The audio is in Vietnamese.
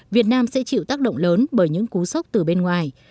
việt nam sẽ chịu tác động lớn bởi những cú sốc từ bên ngoài